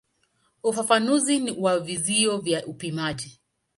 Ufafanuzi wa vizio vya upimaji.